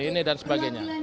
ini dan sebagainya